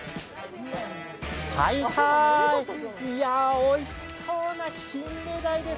おいしそうなキンメダイです。